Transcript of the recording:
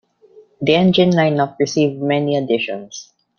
The engine lineup received many additions.